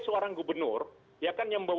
seorang gubernur ya kan yang